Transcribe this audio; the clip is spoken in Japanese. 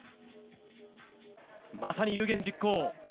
まさに有言実行。